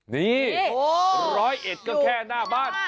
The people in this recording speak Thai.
นี่ร้อยเอ็ดก็แค่หน้าบ้าน